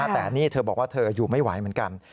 แต่นี่เธอบอกว่าเธออยู่ไม่ไหวเหมือนกัน